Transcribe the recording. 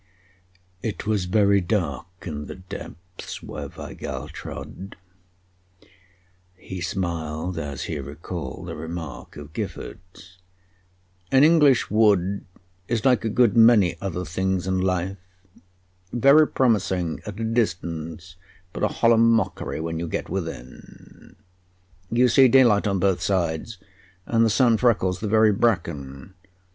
It was very dark in the depths where Weigall trod. He smiled as he recalled a remark of Gifford's: "An English wood is like a good many other things in life very promising at a distance, but a hollow mockery when you get within. You see daylight on both sides, and the sun freckles the very bracken.